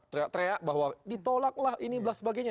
teriak teriak bahwa ditolak lah ini dan sebagainya